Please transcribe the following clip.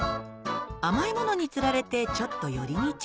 甘いものに釣られてちょっと寄り道